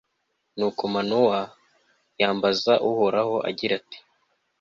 nuko manowa yambaza uhoraho, agira ati